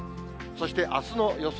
そしてあすの予想